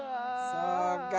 そうか